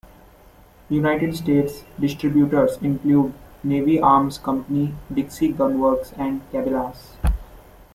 United States distributors include Navy Arms Company, Dixie Gunworks and Cabela's.